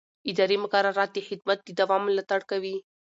اداري مقررات د خدمت د دوام ملاتړ کوي.